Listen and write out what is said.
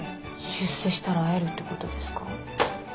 出世したら会えるってことですか？